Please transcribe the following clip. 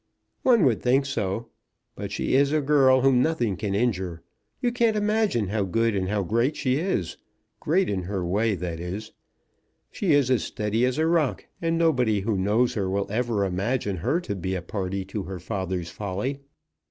"One would think so. But she is a girl whom nothing can injure. You can't imagine how good and how great she is; great in her way, that is. She is as steady as a rock; and nobody who knows her will ever imagine her to be a party to her father's folly.